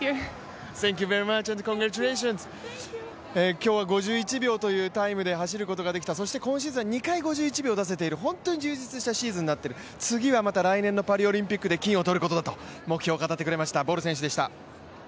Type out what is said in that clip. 今日は５１秒というタイムで走ることができたそして今シーズンは２回５１秒を出せている、本当に充実したシーズンになっている、次はまた来年のパリオリンピックで金を取ることだと目標を語ってくれました、ボル選手でした。